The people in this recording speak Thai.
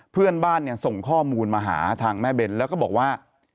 เพื่อนบ้านเนี่ยส่งข้อมูลมาหาทางแม่เบนแล้วก็บอกว่า